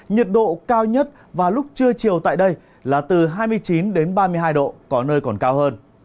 nhiệt độ cao nhất và lúc trưa chiều tại đây là từ hai mươi chín đến ba mươi hai độ có nơi còn cao hơn